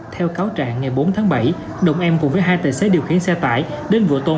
theo cáo trạng ngày bốn tháng bảy đồng em cùng với hai tài xế điều khiển xe tải đến vụ tôn